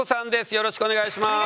よろしくお願いします。